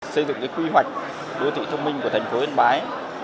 xây dựng quy hoạch đô thị thông minh của thành phố yên bái